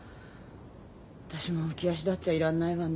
私も浮き足立っちゃいらんないわね。